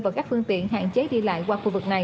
và các phương tiện hạn chế đi lại qua khu vực này